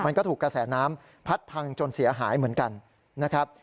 มันก็ถูกกระแสน้ำพัดพังจนเสียหายเหมือนกันนะครับ